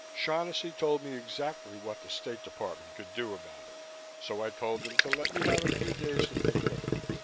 Shaughnessy told me exactly what the State Department could do about it, so I told him to let me have a few days to think it over.